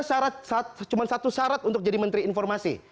karena cuma satu syarat untuk jadi menteri informasi